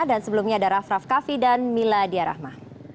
dan sebelumnya ada raff raff kaffi dan mila diyarahma